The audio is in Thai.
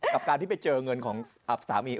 กับการที่ไปเจอเงินของสามี